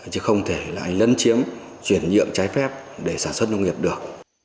chứ không thể lại lấn chiếm chuyển nhượng trái phép để sản xuất nông nghiệp được